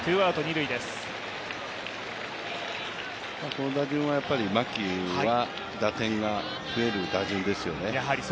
この打順は牧は打点が増える打順ですよね。